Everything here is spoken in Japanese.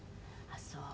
「あっそう。